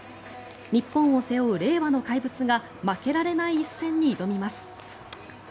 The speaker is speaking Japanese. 日本を背負う令和の怪物が負けられない一戦に挑みます。